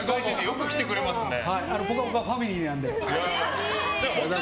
ファミリーなんで。